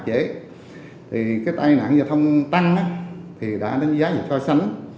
thì cái tai nạn giao thông tăng thì đã đến giá và so sánh